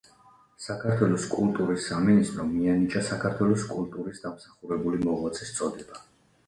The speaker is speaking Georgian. საქართველოს კულტურის სამინისტრომ მიანიჭა საქართველოს კულტურის დამსახურებული მოღვაწის წოდება.